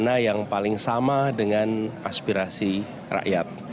mana yang paling sama dengan aspirasi rakyat